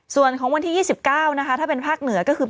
ส่วนของวันที่๒๙นะคะถ้าเป็นภาคเหนือก็คือ